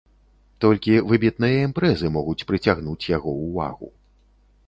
Толькі выбітныя імпрэзы могуць прыцягнуць яго ўвагу.